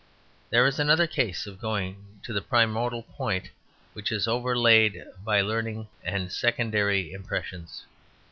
There is another case of going to the primordial point which is overlaid by learning and secondary impressions.